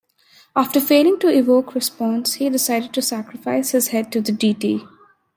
After failing to evoke response, he decided to sacrifice his head to the deity.